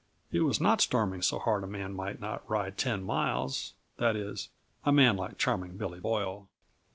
It was not storming so hard a man might not ride ten miles that is, a man like Charming Billy Boyle.